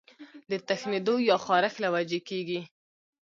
د تښنېدو يا خارښ له وجې کيږي